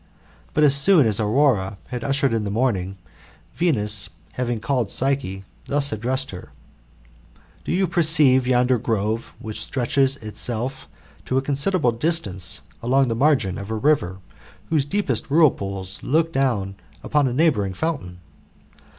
But as soon as Aurora had ushered in the morning, Venus having called Psyche, thus addressed her: ''Do you perceive yonder grove which stretches itself to a considerable distance! along the margin Of a river, whose deepest whirlpools look down upon a neighbouring fountain?